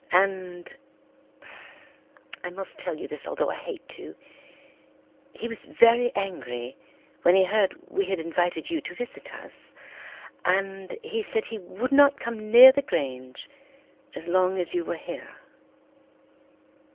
And—I must tell you this although I hate to—he was very angry when he heard we had invited you to visit us, and he said he would not come near the Grange as long as you were here.